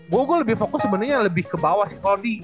gue lebih fokus sebenernya lebih ke bawah sih